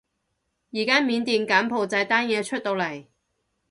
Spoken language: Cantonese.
而家緬甸柬埔寨單嘢出到嚟